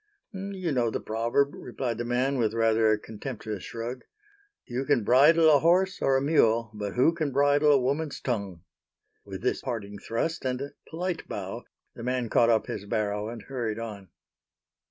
"You know the proverb," replied the man, with rather a contemptuous shrug, "You can bridle a horse or a mule, but who can bridle a woman's tongue." With this parting thrust and a polite bow, the man caught up his barrow and hurried on.